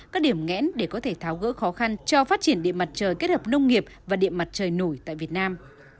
các điểm nghẽn để có thể tháo gỡ khó khăn cho phát triển điện mặt trời kết hợp nông nghiệp và điện mặt trời nổi tại việt nam